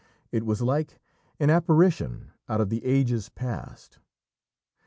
It was like an apparition out of the ages past.